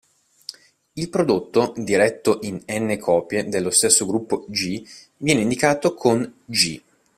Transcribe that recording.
Il prodotto diretto di "n" copie dello stesso gruppo "G" viene indicato con "G".